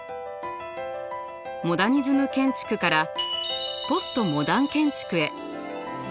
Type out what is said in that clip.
モダニズム建築からポストモダン建築へ。